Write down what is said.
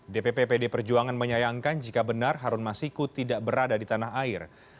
dpp pd perjuangan menyayangkan jika benar harun masiku tidak berada di tanah air